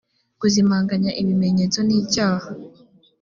guzimanganya ibimenyetso nicyaha.